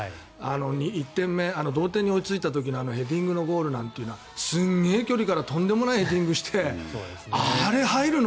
１点目、同点に追いついた時のヘディングのゴールなんてすごい距離からヘディングしてあれ、入るの？